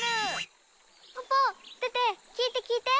ポポテテ聞いて聞いて。